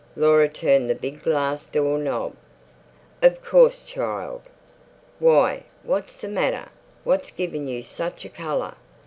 Laura turned the big glass door knob. "Of course, child. Why, what's the matter? What's given you such a colour?"